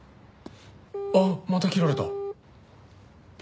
あっまた切られた。